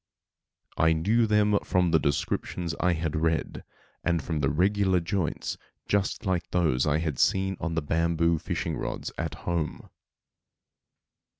I knew them from the descriptions I had read, and from the regular joints, just like those I had seen on the bamboo fishing rods at home.